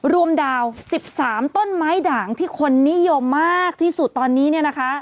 ดาว๑๓ต้นไม้ด่างที่คนนิยมมากที่สุดตอนนี้เนี่ยนะคะ